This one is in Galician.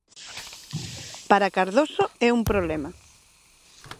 Para Cardoso é un problema.